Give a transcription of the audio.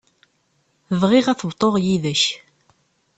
Bɣiɣ ad t-bḍuɣ yid-k.